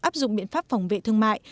áp dụng biện pháp phòng vệ thương mại